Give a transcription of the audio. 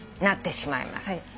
なってしまいます。